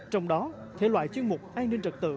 trong đó thể loại chuyên mục an ninh trật tự